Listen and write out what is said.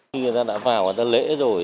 khi người dân đã vào lễ rồi